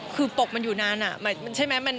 คือปกมันอยู่นานอ่ะใช่ไหมมัน